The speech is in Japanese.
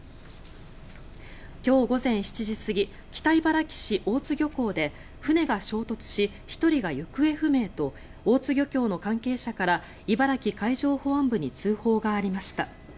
今日午前７時過ぎ北茨城市・大津漁港で船が衝突し、１人が行方不明と大津漁協の関係者から茨城海上保安部に通報がありました。